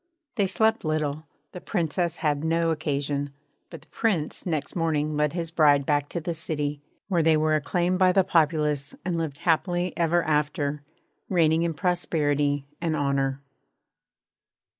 They slept little the Princess had no occasion; but the Prince next morning led his bride back to the city, where they were acclaimed by the populace and lived happy ever after, reigning in prosperity and honour.